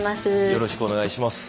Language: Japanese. よろしくお願いします。